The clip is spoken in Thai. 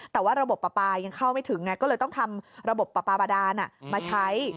แต่ว่าระบบปลาปลายังเข้าไม่ถึงไงก็เลยต้องทำระบบปลาปลาบาดานมาใช้